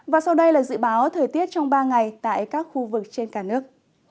và sau đây là dự báo thời tiết trong ba ngày tại các khu vực trên cả nước